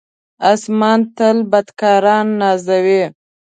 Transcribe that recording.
آسمان تل بدکاران نازوي.